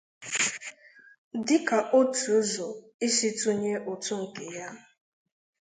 dịka otu ụzọ isi tụnye ụtụ nke ya